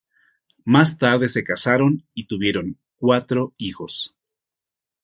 Más tarde se casaron y tuvieron cuatro hijos.